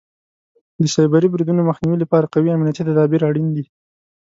د سایبري بریدونو مخنیوي لپاره قوي امنیتي تدابیر اړین دي.